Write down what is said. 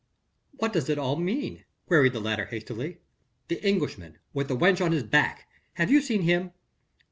"What does it all mean?" queried the latter hastily. "The Englishman with the wench on his back? have you seen him?"